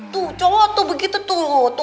tuh jatuh begitu tuh